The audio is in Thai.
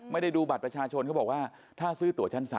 ไม่ได้ดูบัตรประชาชนเขาบอกว่าถ้าซื้อตัวชั้น๓